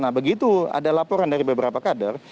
nah begitu ada laporan dari beberapa kader